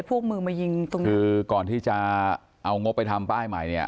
พวกมือมายิงตรงนี้คือก่อนที่จะเอางบไปทำป้ายใหม่เนี่ย